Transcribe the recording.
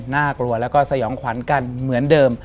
น่ากลัวแล้วก็สยองขวัญกันเหมือนเดิม